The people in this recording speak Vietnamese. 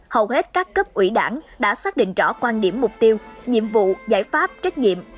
hầu hết các cấp ủy đảng đã xác định rõ quan điểm mục tiêu nhiệm vụ giải pháp trách nhiệm